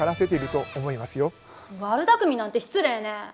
悪だくみなんて失礼ね。